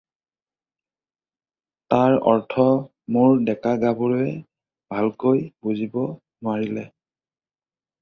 তাৰ অৰ্থ মোৰ ডেকা-গাভৰুৱে ভালকৈ বুজিব নোৱাৰিলে।